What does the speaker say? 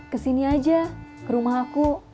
kesini aja ke rumah aku